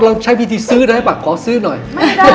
อยู่กับพี่จะซึกก่อนกลุ่ม